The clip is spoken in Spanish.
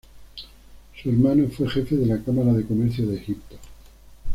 Su hermano fue jefe de la Cámara de Comercio de Egipto.